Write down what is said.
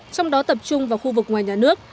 trong đó tập trung vào khu vực ngoài nhà nước